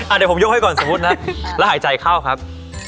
เดี๋ยวผมยกให้ก่อนสมมุตินะแล้วหายใจเข้าครับ